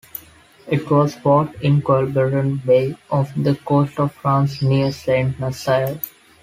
It was fought in Quiberon Bay, off the coast of France near Saint Nazaire.